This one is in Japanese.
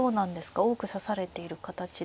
多く指されている形でしょうか。